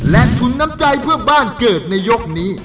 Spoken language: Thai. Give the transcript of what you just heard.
และทุนน้ำใจเพื่อบ้านเกิดในยกนี้